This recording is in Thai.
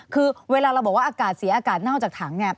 คือเวลาเราบอกว่าอากาศเสียอากาศเน่าจากถังเนี่ย